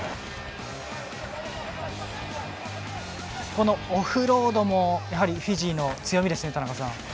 このオフロードもフィジーの強みですね、田中さん。